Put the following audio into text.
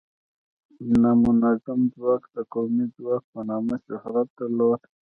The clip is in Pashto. نامنظم ځواک د قومي ځواک په نامه شهرت درلوده.